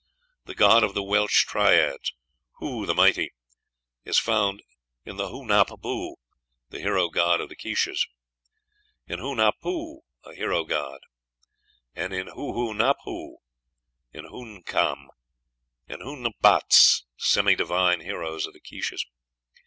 The god of the Welsh triads, "Hu the mighty," is found in the Hu nap bu, the hero god of the Quiches; in Hu napu, a hero god; and in Hu hu nap hu, in Hu ncam, in Hu nbatz, semi divine heroes of the Quiches.